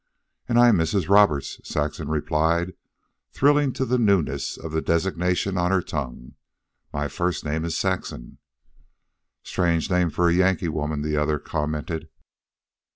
"And I'm Mrs. Roberts," Saxon replied, thrilling to the newness of the designation on her tongue. "My first name is Saxon." "Strange name for a Yankee woman," the other commented.